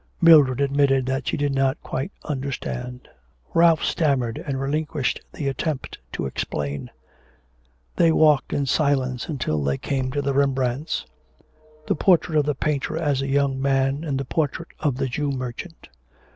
Mildred admitted that she did not quite understand. Ralph stammered, and relinquished the attempt to explain. They walked in silence until they came to the Rembrandts the portrait of the painter as a young man and the portrait of the 'Jew Merchant.'